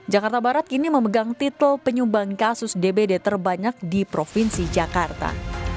jakarta barat kini memegang tito penyumbang kasus dbd terbanyak di provinsi jakarta